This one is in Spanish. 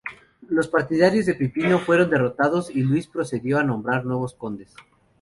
Los partidarios de Pipino fueron derrotados y Luis procedió a nombrar nuevos condes.